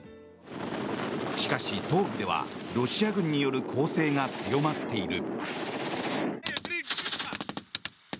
しかし、東部ではロシア軍による攻勢が強まっている。